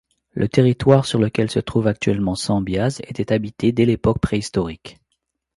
Le territoire sur lequel se trouve actuellement Sambiase était habité dès l'époque préhistorique.